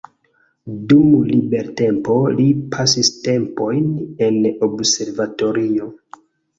Dum libertempo li pasis tempojn en observatorio.